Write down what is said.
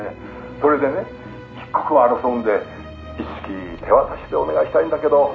それでね一刻を争うんで一式手渡しでお願いしたいんだけど」